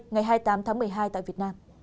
ngày hai mươi tám tháng một mươi hai tại việt nam